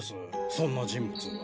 そんな人物は。